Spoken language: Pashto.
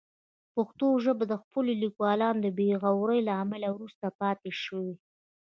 پښتو ژبه د خپلو لیکوالانو د بې غورۍ له امله وروسته پاتې شوې.